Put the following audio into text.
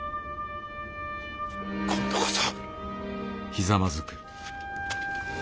今度こそ。